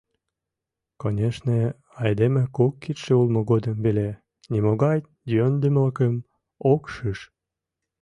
Конешне, айдеме кок кидше улмо годым веле нимогай йӧндымылыкым ок шиж.